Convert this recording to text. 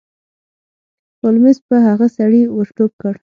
هولمز په هغه سړي ور ټوپ کړ.